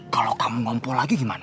kalau kamu ngumpul lagi gimana